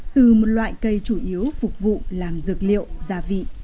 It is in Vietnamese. từ một loại cây chủ yếu phục vụ làm dược liệu gia vị